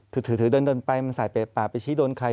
ถือเดินไปมันสายเปะปากไปชี้โดนใคร